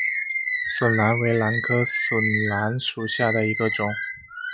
笋兰为兰科笋兰属下的一个种。